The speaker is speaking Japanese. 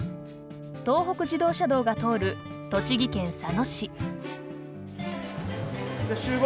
東北自動車道が通る栃木県佐野市。